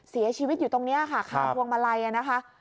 เสียชีวิตอยู่ตรงนี้ค่ะคาพวงมาลัยนะคะ